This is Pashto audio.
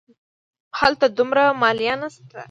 هلته دومره مالیه نه شته.